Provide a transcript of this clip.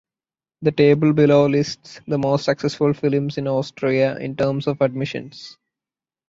The table below lists the most successful films in Austria in terms of admissions.